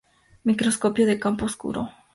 Microscopio de campo oscuro.